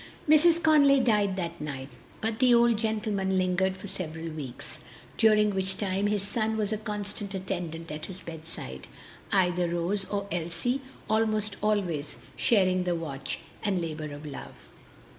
Mrs. Conly died that night, but the old gentleman lingered for several weeks, during which time his son was a constant attendant at his bedside, either Rose or Elsie almost always sharing the watch and labor of love.